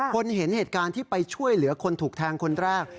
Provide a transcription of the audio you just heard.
เห็นเหตุการณ์ที่ไปช่วยเหลือคนถูกแทงคนแรก